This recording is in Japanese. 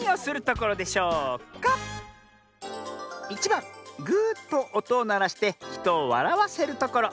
１ばん「ぐとおとをならしてひとをわらわせるところ」。